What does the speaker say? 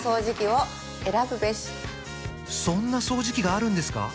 そんな掃除機があるんですか？